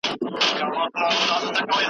ستا پر ځوانې دې برکت شي ستا ځوانې دې گل شي